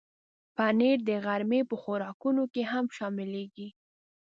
پنېر د غرمې په خوراکونو کې هم شاملېږي.